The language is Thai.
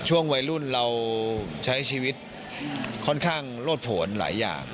ช่วงวัยรุ่นเราใช้ชีวิตค่อนข้างโลดผลหลายอย่าง